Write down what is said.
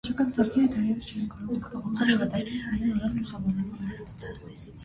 Սակայն ուղեղի գերլարված աշխատանքը չափազանց ծանր անդրադարձավ գրողի առողջության վրա։